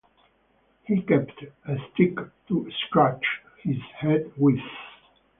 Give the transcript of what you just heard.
He kept a stick to scratch his head with.